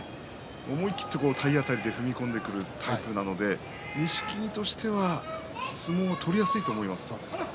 思い切って体当たりで踏み込んでくるタイプなので錦木としては相撲を取りやすいと思います。